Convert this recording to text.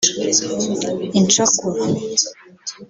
incakura